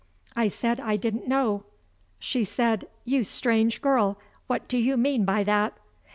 I said I didn't know. She said: "You strange girl, what do you mean by that?"